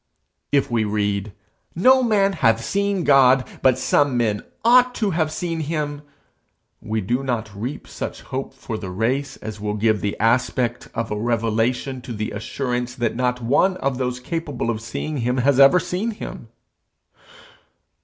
If we read, 'No man hath seen God, but some men ought to have seen him,' we do not reap such hope for the race as will give the aspect of a revelation to the assurance that not one of those capable of seeing him has ever seen him!